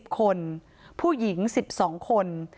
คนผู้หญิง๑๒คน